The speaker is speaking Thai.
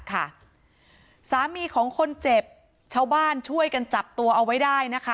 สามีของคนเจ็บชาวบ้านช่วยกันจับตัวเอาไว้ได้นะคะ